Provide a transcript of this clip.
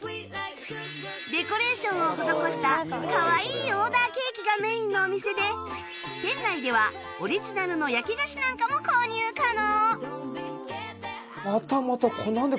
デコレーションを施したかわいいオーダーケーキがメインのお店で店内ではオリジナルの焼き菓子なんかも購入可能